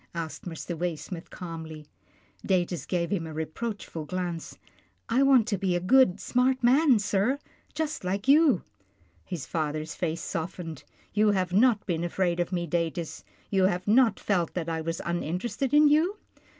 asked Mr. Waysmith calmly. Datus gave him a reproachful glance. " I want to be a good, smart man, sir, just like you." His father's face softened. " You have not been afraid of me, Datus. You have not felt that I was uninterested in you